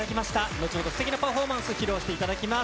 後ほどすてきなパフォーマンス、披露していただきます。